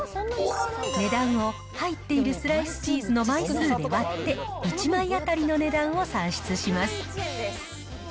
値段を入っているスライスチーズの枚数で割って１枚当たりの値段を算出します。